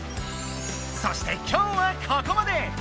そして今日はここまで！